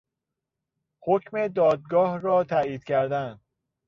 حکم دادگاه را تایید کردن